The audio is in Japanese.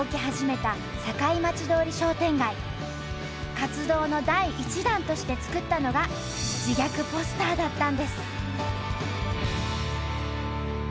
活動の第１弾として作ったのが自虐ポスターだったんです。